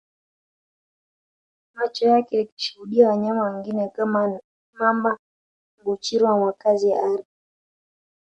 Macho yake yakishuhudia wanyama wengine kama Mamba Nguchiro wa makazi ya ardhi